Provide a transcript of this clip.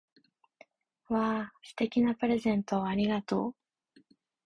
わぁ！素敵なプレゼントをありがとう！